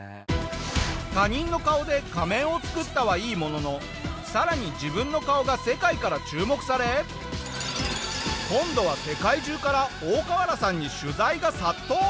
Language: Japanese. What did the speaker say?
他人の顔で仮面を作ったはいいものの更に自分の顔が世界から注目され今度は世界中からオオカワラさんに取材が殺到！